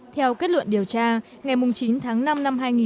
theo kết luận điều tra ngày chín tháng năm năm hai nghìn một mươi chín